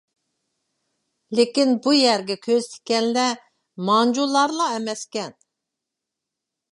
لېكىن بۇ يەرگە كۆز تىككەنلەر مانجۇلارلا ئەمەسكەن.